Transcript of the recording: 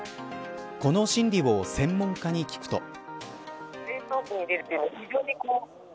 この心理を専門家に聞くと。